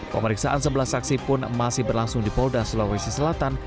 pemeriksaan sebelah saksi pun masih berlangsung di polda sulawesi selatan